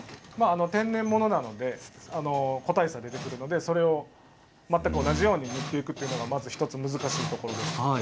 天然物なので個体差が出てくるのでそれを全く同じようにしていくのが、難しいところです。